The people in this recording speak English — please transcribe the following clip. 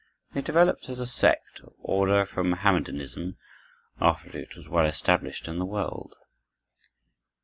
They developed as a sect or order from Mohammedanism after it was well established in the world.